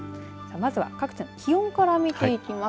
まずは各地の気温から見ていきます。